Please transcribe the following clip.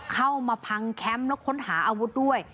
เข้ามาพังแคมป์แล้วค้นหาอาวุธด้วย